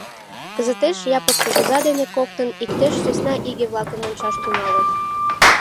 Кызытеш Япык кугыза дене коктын иктеш сӧсна иге-влакым ончаш тӱҥалыт.